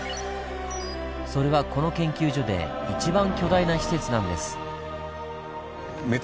それはこの研究所で一番巨大な施設なんです。